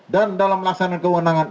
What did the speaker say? dan dalam melaksanakan kewenangan